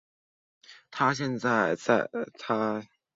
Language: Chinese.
他现在效力于匈牙利足球甲级联赛球队费伦斯华路士体育会。